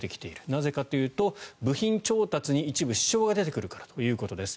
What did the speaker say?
なぜかというと部品調達に一部、支障が出てくるからということです。